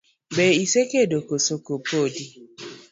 Be isekendo kose podi.